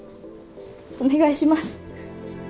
お願いします。